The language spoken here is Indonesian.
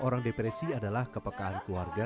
orang depresi adalah kepekaan keluarga